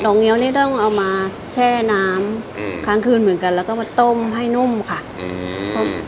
เงี้ยวนี่ต้องเอามาแช่น้ำอืมครั้งคืนเหมือนกันแล้วก็มาต้มให้นุ่มค่ะอืมต้ม